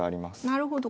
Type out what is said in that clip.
なるほど。